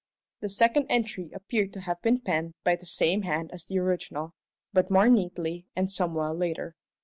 The second entry appeared to have been penned by the same hand as the original, but more neatly and some while later.